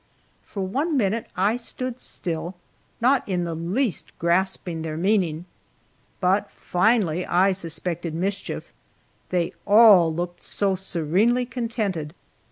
For one minute I stood still, not in the least grasping their meaning; but finally I suspected mischief, they all looked so serenely contented.